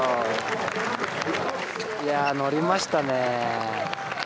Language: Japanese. いやあ乗りましたね。